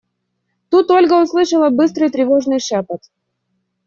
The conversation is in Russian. Тут Ольга услышала быстрый, тревожный шепот.